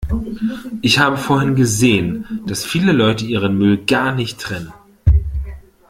Ich habe vorhin gesehen, dass viele Leute ihren Müll gar nicht trennen.